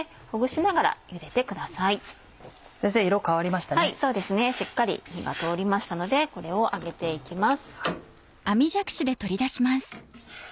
しっかり火が通りましたのでこれを上げて行きます。